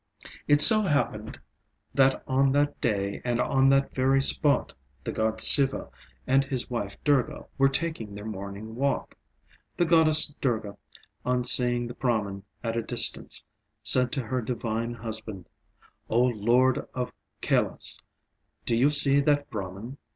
It so happened that on that day and on that very spot the god Siva and his wife Durga were taking their morning walk. The goddess Durga, on seeing the Brahman at a distance, said to her divine husband "O Lord of Kailas! do you see that Brahman?